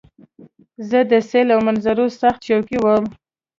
زه د سیل او منظرو سخت شوقی وم.